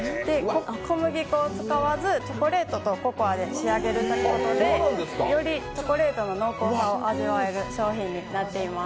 小麦粉を使わず、チョコレートとココアで仕上げるということでよりチョコレートの濃厚さを味わえる商品となっております。